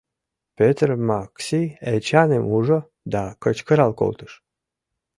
Петр Макси Эчаным ужо да кычкырал колтыш: